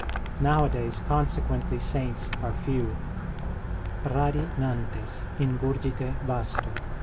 Nowadays, conse quently, saints are few Rari nantes in gurgite vasto.